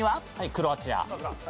クロアチア。